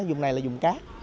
dùng này là dùng cát